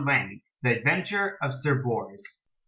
VIII. The Adventure of Sir Bors.